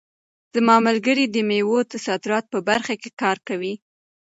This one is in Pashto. زما ملګری د مېوو د صادراتو په برخه کې کار کوي.